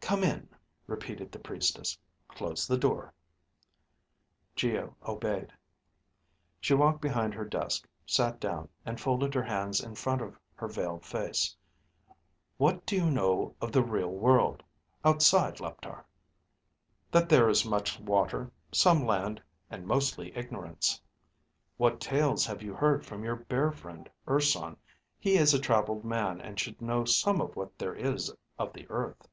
"Come in," repeated the priestess. "Close the door." Geo obeyed. She walked behind her desk, sat down, and folded her hands in front of her veiled face. "What do you know of the real world, outside Leptar?" "That there is much water, some land, and mostly ignorance." "What tales have you heard from your bear friend, Urson? He is a traveled man and should know some of what there is of the earth."